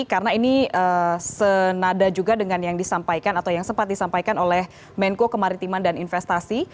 karena ini senada juga dengan yang disampaikan atau yang sempat disampaikan oleh menko kemaritiman dan investasi